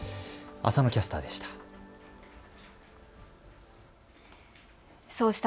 浅野キャスターでした。